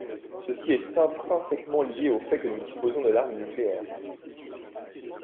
Ceci est intrinsèquement lié au fait que nous disposons de l’arme nucléaire.